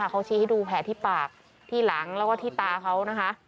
เขาชี้ให้ดูแผลที่ปากที่หลังแล้วก็ที่ตาเขานะคะ